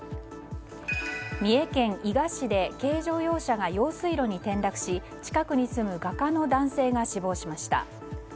三重県伊賀市で軽乗用車が用水路に転落し近くに住む画家の男性が死亡しました。